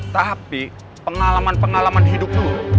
tapi pengalaman pengalaman hidup dulu